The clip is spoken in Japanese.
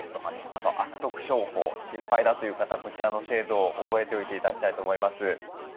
あと悪徳商法心配だという方こちらの制度を覚えておいて頂きたいと思います。